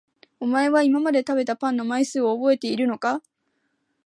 お前は今まで食べたパンの枚数を覚えているのか？